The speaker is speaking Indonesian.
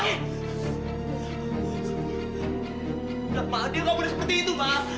kenapa dia ngomong seperti itu mak